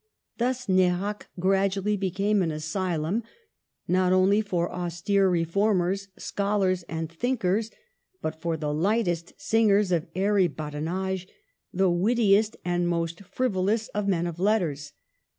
Thus Nerac gradually be came an asylum, not only for austere re formers, scholars, and thinkers, but for the lightest singers of airy badinage, the wittiest and most frivolous of men of letters.